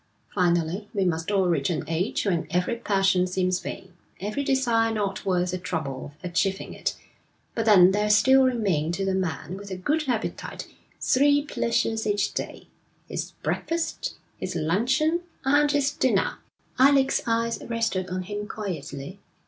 Finally we must all reach an age when every passion seems vain, every desire not worth the trouble of achieving it; but then there still remain to the man with a good appetite three pleasures each day, his breakfast, his luncheon, and his dinner.' Alec's eyes rested on him quietly.